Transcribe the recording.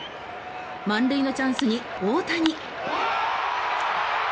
満塁のチャンスに大谷。